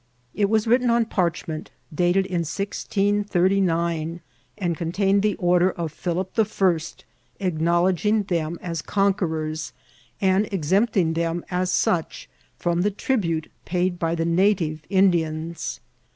It was written on parch ment, dated in 1639, and contained the order of Philip the First, acknowledging them as conquerors, and ex^npting them, as such, from the tribute paid by the native Indians.